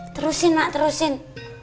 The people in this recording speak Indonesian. terusin nak terusin